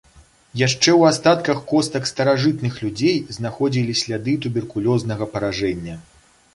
Яшчэ ў астатках костак старажытных людзей знаходзілі сляды туберкулёзнага паражэння.